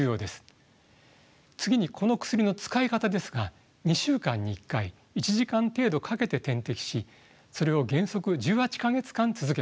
次にこの薬の使い方ですが２週間に１回１時間程度かけて点滴しそれを原則１８か月間続けます。